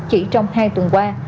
chỉ trong hai tuần qua